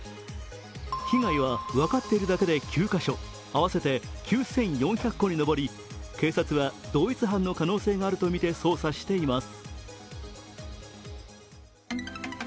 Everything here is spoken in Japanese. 被害は分かっているだけで９カ所合わせて９４００個にのぼり、警察は同一犯の可能性があるとみて捜査しています。